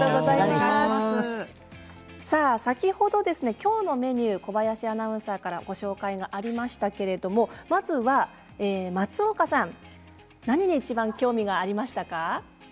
先ほどきょうのメニュー小林アナウンサーからご紹介がありましたけれどもまずは松岡さん何にいちばん興味がありましたか。